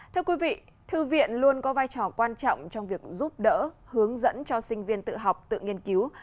thưa quý vị thư viện luôn có vai trò quan trọng trong việc giúp đỡ hướng dẫn cho sinh viên tự học tự nghiên cứu